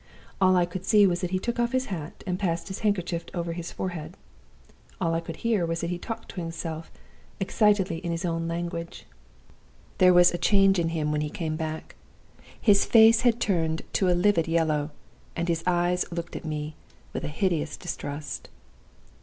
All I could see was that he took off his hat and passed his handkerchief over his forehead. All I could hear was that he talked to himself excitedly in his own language. "There was a change in him when he came back. His face had turned to a livid yellow, and his eyes looked at me with a hideous distrust.